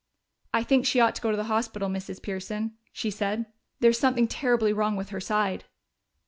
"I think she ought to go to the hospital, Mrs. Pearson," she said. "There's something terribly wrong with her side."